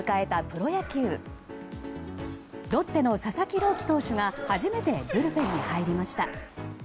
ロッテの佐々木朗希投手が初めてブルペンに入りました。